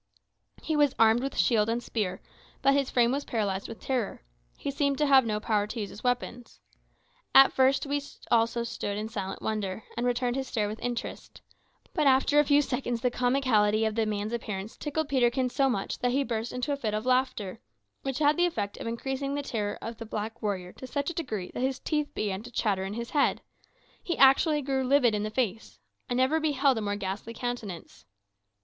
He was armed with shield and spear, but his frame was paralysed with terror. He seemed to have no power to use his weapons. At first we also stood in silent wonder, and returned his stare with interest; but after a few seconds the comicality of the man's appearance tickled Peterkin so much that he burst into a fit of laughter, which had the effect of increasing the terror of the black warrior to such a degree that his teeth began to chatter in his head. He actually grew livid in the face. I never beheld a more ghastly countenance.